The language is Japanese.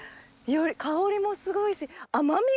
香りもすごいし。